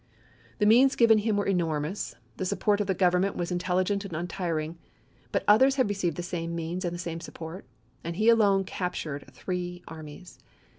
The means given him were enormous, the support of the Gov ernment was intelligent and untiring ; but others had received the same means and the same support .— and he alone captured three armies.